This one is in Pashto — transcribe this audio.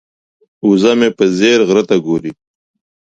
وزه مې په ځیر غره ته ګوري.